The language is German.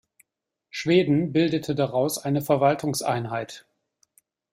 Schweden bildete daraus eine Verwaltungseinheit.